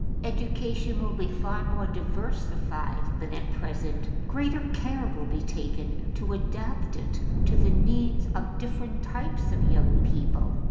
Education will be far more diversified than at present; greater care will be taken to adapt it to the needs of different types of young people.